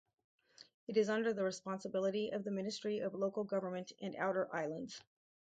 It is under the responsibility of the Ministry of Local Government and Outer Islands.